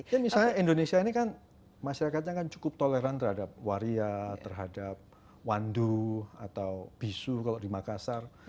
ya misalnya indonesia ini kan masyarakatnya kan cukup toleran terhadap waria terhadap wandu atau bisu kalau di makassar